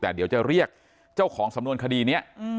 แต่เดี๋ยวจะเรียกเจ้าของสำนวนคดีนี้